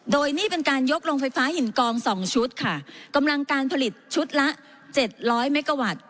โดยนี่เป็นการยกโรงไฟฟ้าหินกองสองชุดค่ะกำลังการผลิตชุดละเจ็ดร้อยเมกาวัตต์